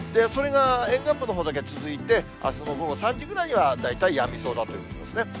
それが沿岸部のほうだけ続いて、あすの午後３時ぐらいには大体やみそうだということですね。